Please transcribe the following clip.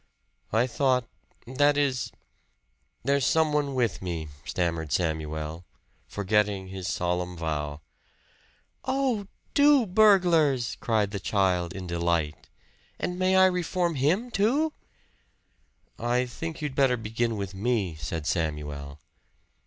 "I thought that is there's some one with me," stammered Samuel, forgetting his solemn vow. "Oh! two burglars!" cried the child in delight. "And may I reform him, too?" "I think you'd better begin with me," said Samuel.